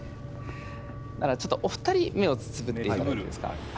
ちょっとお二人目をつぶっていただけますか？